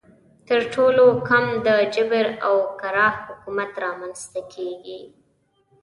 تر ټولو کم د جبر او اکراه حکومت رامنځته کیږي.